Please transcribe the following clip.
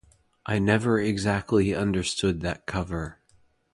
I never exactly understood that cover.